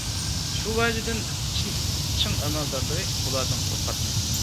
شۇ ۋەجىدىن چىڭ ئەمەلدارلىرى ئۇلاردىن قورقاتتى.